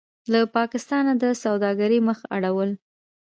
له پاکستانه د سوداګرۍ مخ اړول: